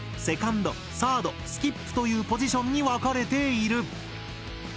セカンドサードスキップというポジションに分かれている。